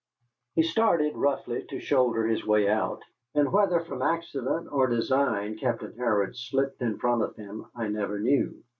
He started roughly to shoulder his way out, and whether from accident or design Captain Harrod slipped in front of him, I never knew.